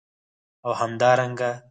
او همدارنګه